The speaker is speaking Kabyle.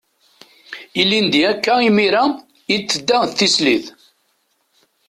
Ilindi akka imira i d-tedda d tislit.